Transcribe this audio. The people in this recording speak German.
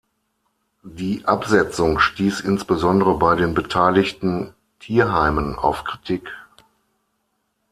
Die Absetzung stieß insbesondere bei den beteiligten Tierheimen auf Kritik.